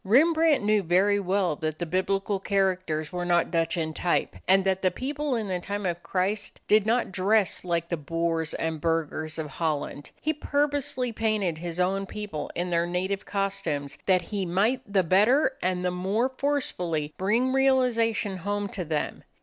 Rembrandt knew very well that the Biblical characters were not Dutch in type, and that the people in the time of Christ did not dress like the boors and burghers of Holland. He purposely painted his own people in their native costumes, that he might the better and the more forcefully bring realization home to them.